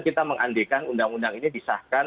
kita mengandekan undang undang ini disahkan